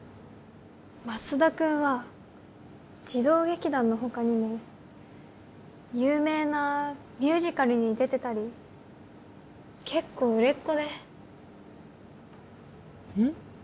増田君は児童劇団の他にも有名なミュージカルに出てたり結構売れっ子でうん？